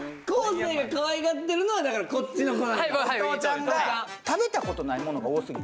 生がかわいがってるのはだからこっちの子なんだはい右そうですはい